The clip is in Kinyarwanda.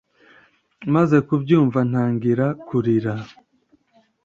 Maze kubyumva ntangira kurira